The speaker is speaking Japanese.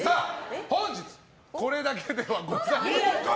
本日これだけではございません。